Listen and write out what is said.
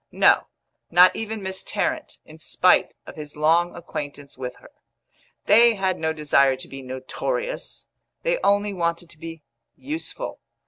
No, not even Miss Tarrant, in spite of his long acquaintance with her. They had no desire to be notorious; they only wanted to be useful.